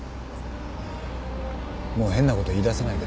もう変なこと言いださないで。